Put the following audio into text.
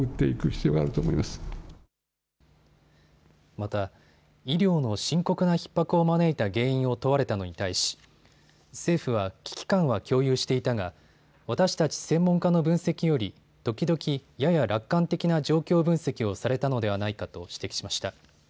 また医療の深刻なひっ迫を招いた原因を問われたのに対し政府は、危機感は共有していたが私たち専門家の分析より時々、やや楽観的な状況分析をされたのではないかと指摘しました。